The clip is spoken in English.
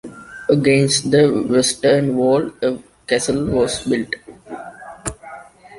Against the western wall, a castle was built.